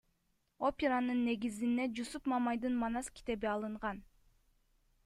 Операнын негизине Жусуп Мамайдын Манас китеби алынган.